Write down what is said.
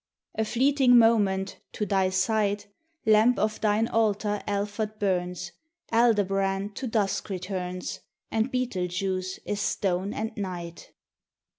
A fleeting moment, to thy sight, Lamp of thine altar Alphard burns; Aldebaran to dusk returns, And Betelgeuse is stone and night.